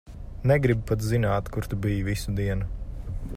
Negribu pat zināt, kur tu biji visu dienu.